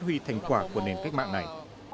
huy thành quả của nền cách mạng này